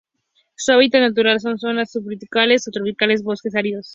Su hábitat natural son: zonas subtropicales o tropicales bosques áridos.